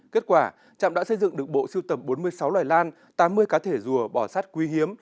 kết quả trạm đã xây dựng được bộ siêu tầm bốn mươi sáu loài lan tám mươi cá thể rùa bò sát quý hiếm